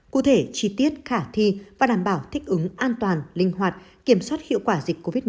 cụ thể chi tiết khả thi và đảm bảo thích ứng an toàn linh hoạt kiểm soát hiệu quả dịch covid một mươi chín